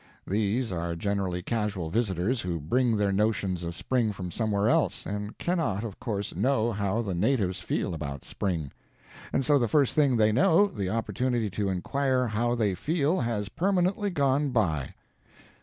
These are generally casual visitors, who bring their notions of spring from somewhere else, and cannot, of course, know how the natives feel about spring. And so the first thing they know the opportunity to inquire how they feel has permanently gone by.